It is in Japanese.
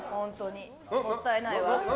もったいないわ。